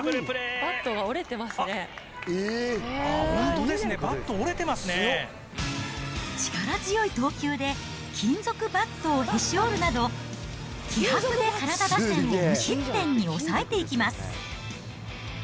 本当ですね、力強い投球で金属バットをへし折るなど、気迫でカナダ打線を無失点に抑えていきます。